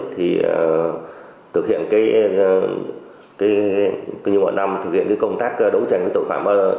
thực hiện công tác đấu tranh